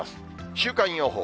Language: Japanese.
週間予報。